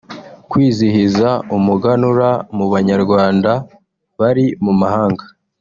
kwizihiza umuganura mu Banyarwanda bari mu mahanga